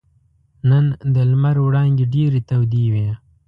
نن د لمر وړانګې ډېرې تودې وې.